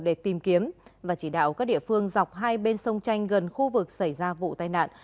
để tìm kiếm và chỉ đạo các địa phương dọc hai bên sông chanh gần khu vực xảy ra vụ tai nạn